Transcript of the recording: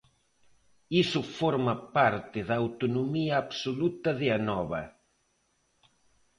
Iso forma parte da autonomía absoluta de Anova.